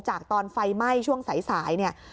จากตอนไฟไหม้ช่วงสายเนี่ย